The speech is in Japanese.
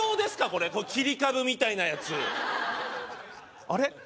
これ切り株みたいなやつあれ？